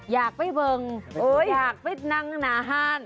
อยากไปเบิ่งอยากไปนั่งหนาห้าน